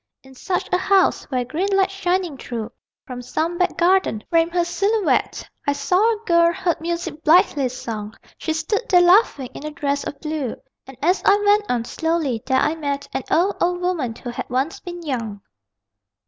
In such a house, where green light shining through (From some back garden) framed her silhouette I saw a girl, heard music blithely sung. She stood there laughing, in a dress of blue, And as I went on, slowly, there I met An old, old woman, who had once been young.